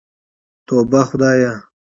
توبه خدايه.